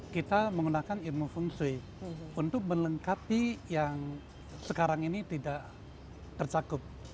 kita menggunakan ilmu feng shui untuk melengkapi yang sekarang ini tidak tercakup